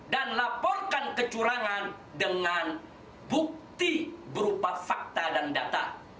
dan laporkan kecurangan dengan bukti berupa fakta dan data